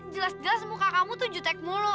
jelas jelas muka kamu tuh jutek mulu